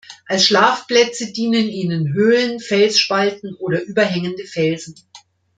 Als Schlafplätze dienen ihnen Höhlen, Felsspalten oder überhängende Felsen.